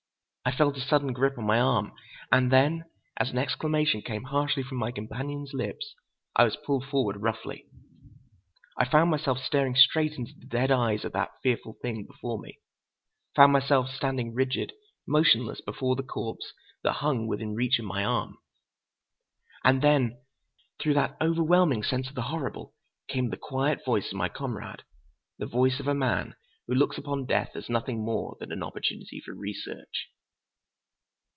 I felt a sudden grip on my arm; and then, as an exclamation came harshly from my companion's lips, I was pulled forward roughly. I found myself staring straight into the dead eyes of that fearful thing before me, found myself standing rigid, motionless, before the corpse that hung within reach of my arm. And then, through that overwhelming sense of the horrible, came the quiet voice of my comrade—the voice of a man who looks upon death as nothing more than an opportunity for research.